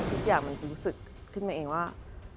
ทุกอย่างมันรู้สึกขึ้นมาเองว่า